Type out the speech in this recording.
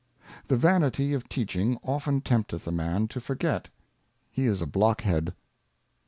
The Vanity of teaching often tempteth a Man to forget he is a Blockhead.